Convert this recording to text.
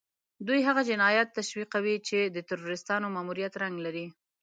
دوی هغه جنايات تشويقوي چې د تروريستانو ماموريت رنګ لري.